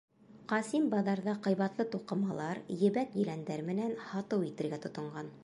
Ҡасим баҙарҙа ҡыйбатлы туҡымалар, ебәк еләндәр менән һатыу итергә тотонған.